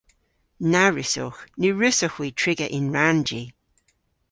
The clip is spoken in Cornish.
Na wrussowgh. Ny wrussowgh hwi triga yn rannji.